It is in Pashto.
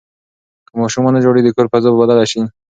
که ماشوم ونه ژاړي، د کور فضا به بدله شي.